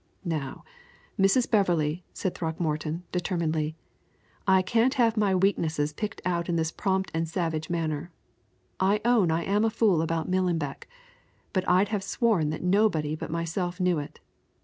"Now, Mrs. Beverley," said Throckmorton, determinedly, "I can't have my weaknesses picked out in this prompt and savage manner. I own I am a fool about Millenbeck, but I'd have sworn that nobody but myself knew it.